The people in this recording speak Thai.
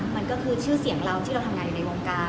มันก็คือชื่อเสียงเราที่เราทำงานอยู่ในวงการ